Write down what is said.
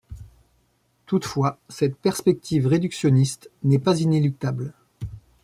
Toutefois, cette perspective réductionniste n'est pas inéluctable.